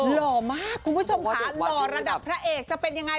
หล่อมากคุณผู้ชมค่ะหล่อระดับพระเอกจะเป็นยังไง